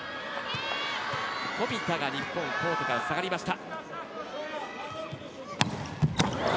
富田が日本はコートから下がりました。